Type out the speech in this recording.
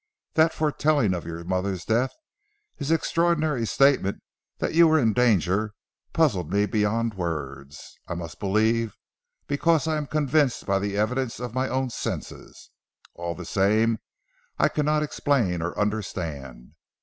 That foretelling of your mother's death, and his extraordinary statement that you were in danger, puzzled me beyond words. I must believe, because I am convinced by the evidence of my own senses. All the same I cannot explain or understand.